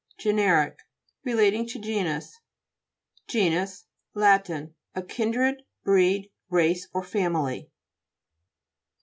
GENE'RIC Relating to genus. GE'UUS Lat. A kindred, breed, race or family.